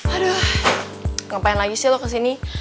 aduh ngapain lagi sih lo ke sini